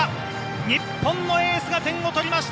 日本のエースが点を取りました！